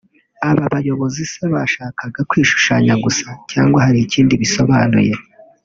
Aba bayobozi se bashakaga kwishushanya gusa cyangwa hari ikindi bisobanuye